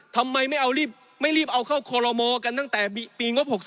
ทำไมไม่รีบเอาเข้าคอลโลมอกันตั้งแต่ปีงบ๖๓